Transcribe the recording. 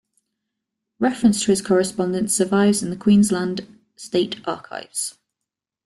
Reference to his correspondence survives in the Queensland State Archives.